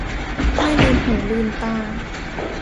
ไม่ลืมหูลืมตา